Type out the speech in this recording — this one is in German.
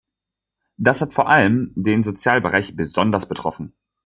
Das hat vor allem den Sozialbereich besonders betroffen.